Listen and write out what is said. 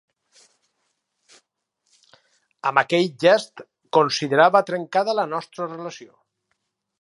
Amb aquell gest considerava trencada la nostra relació.